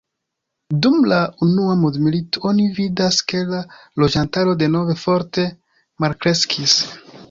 Dum la Unua Mondmilito oni vidas, ke la loĝantaro denove forte malkreskis.